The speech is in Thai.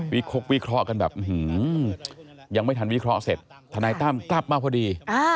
กวิเคราะห์กันแบบยังไม่ทันวิเคราะห์เสร็จทนายตั้มกลับมาพอดี